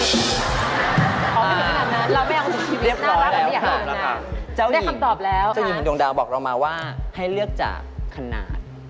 อ๋อไม่ได้ขนาดนั้นเราไม่เอาในชีวิตน่ารักแบบนี้ค่ะได้คำตอบแล้วจ้าหญิงจ้าหญิงดวงดาวบอกเรามาว่าให้เลือกจากขนาด